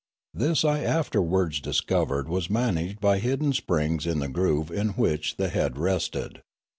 This I after wards discovered was managed by hidden springs in 66 Limanora the groove in which the head rested.